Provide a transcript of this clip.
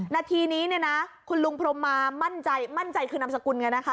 ณทีนี้คุณลุ้งพรมมามั่นใจมั่นใจคือนามสกุลไงนะคะ